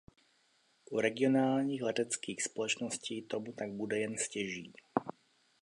U regionálních leteckých společností tomu tak bude jen stěží.